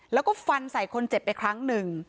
แล้วก็ฟันใส่คนเจ็บไปครั้งหนึ่ง